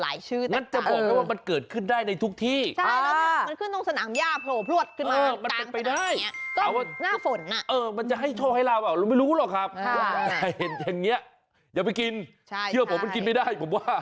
มันเป็นไปได้มันจะให้โชว์ให้เราเราไม่รู้หรอกครับแต่เห็นอย่างนี้อย่าไปกินเชื่อผมมันกินไม่ได้ผมว่า